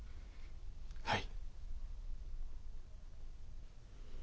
はい。